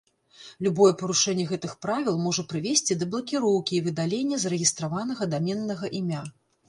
Любое парушэнне гэтых правіл можа прывесці да блакіроўкі і выдалення зарэгістраванага даменнага імя.